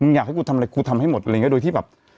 มึงยากให้กูทำอะไรกูทำให้หมดหรือไงโดยที่แบบ